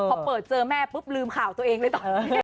พอเปิดเจอแม่ปุ๊บลืมข่าวตัวเองเลยตอนนี้